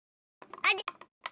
あれ？